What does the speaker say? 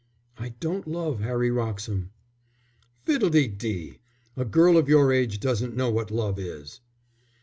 "I don't love Harry Wroxham." "Fiddlededee! A girl of your age doesn't know what love is."